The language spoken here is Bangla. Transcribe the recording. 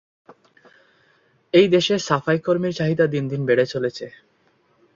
এই দেশে সাফাইকর্মীর চাহিদা দিন দিন বেড়ে চলেছে।